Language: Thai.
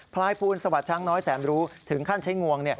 ลายภูลสวัสดช้างน้อยแสนรู้ถึงขั้นใช้งวง